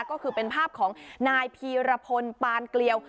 ก็คือเป็นภาพของนายพีรพลปานเกลียว